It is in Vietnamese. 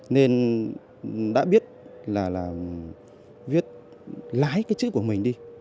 nên đã biết là viết lái cái chữ của mình đi